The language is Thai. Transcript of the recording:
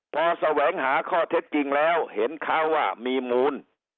พอแสวงหาข้อเท็จจริงแล้วเห็นเขาว่ามีมูล